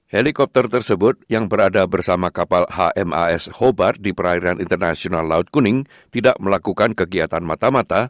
helikopter tersebut yang berada bersama kapal hmas hobar di perairan internasional laut kuning tidak melakukan kegiatan mata mata